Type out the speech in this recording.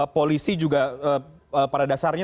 polisi juga pada dasarnya